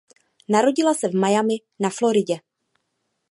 Narodila se v Miami na Floridě.